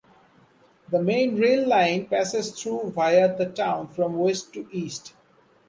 The Main rail line passes through via the town from west to east.